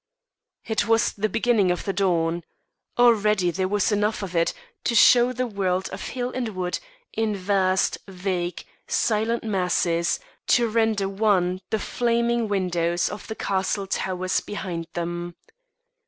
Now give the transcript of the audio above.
It was the beginning of the dawn. Already there was enough of it to show the world of hill and wood in vast, vague, silent masses, to render wan the flaming windows of the castle towers behind them.